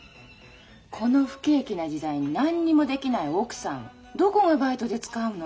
この不景気な時代に何にもできない奥さんをどこがバイトで使うのよ。